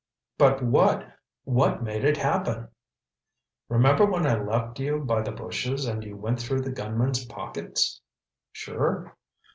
"But what—what made it happen?" "Remember when I left you by the bushes and you went through the gunman's pockets?" "Sure."